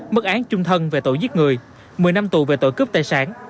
mức án trung thân về tội giết người một mươi năm tù về tội cướp tài sản